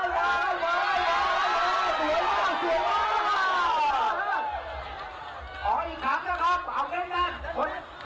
ล้อเลือดล้อเลือดล้อเลือด